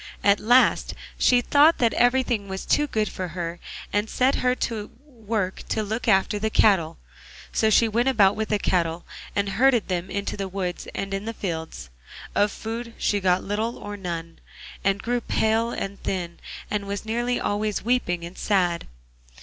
At last she thought that everything was too good for her, and set her to work to look after the cattle. So she went about with the cattle, and herded them in the woods and in the fields. Of food she got little or none, and grew pale and thin, and was nearly always weeping and sad.